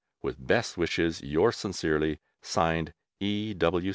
With best wishes, yours sincerely, (Signed) E.